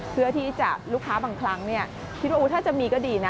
เพื่อที่จะลูกค้าบางครั้งคิดว่าถ้าจะมีก็ดีนะ